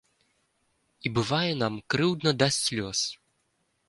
І бывае нам крыўдна да слёз.